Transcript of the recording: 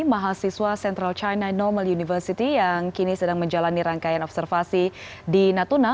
mahasiswa central china normal university yang kini sedang menjalani rangkaian observasi di natuna